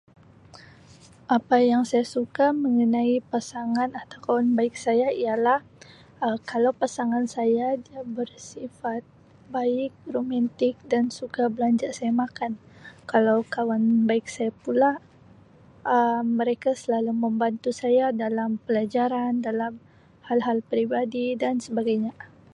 Apa yang saya suka mengenai pasangan atau kawan baik saya ialah Um kalau pasangan saya dia bersifat baik, romantik dan suka belanja saya makan kalau kawan baik saya pula Um mereka selalu membantu saya dalam pelajaran dalam hal-hal peribadi dan sebagainya.